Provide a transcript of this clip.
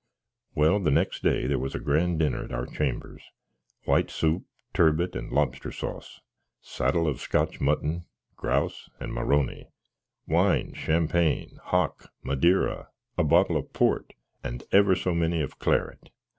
Well, the nex day there was a gran dinner at our chambers. White soop, turbit, and lobster sos; saddil of Scoch muttn, grous, and M'Arony; wines, shampang, hock, madeiria, a bottle of poart, and ever so many of clarrit.